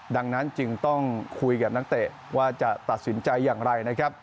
ดังนั้นจึงต้องคุยกับนักเตะว่าจะตัดสินใจอย่างไรนะครับ